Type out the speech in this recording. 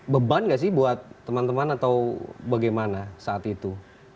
beban gak sih buat teman teman atau bagaimana saat itu